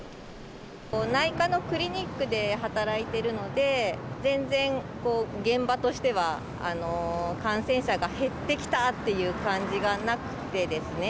内科のクリニックで働いているので、全然、現場としては、感染者が減ってきたっていう感じがなくてですね。